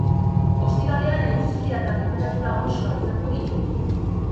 Ostiralean, eguzkia eta tenperatura goxoa izango ditugu.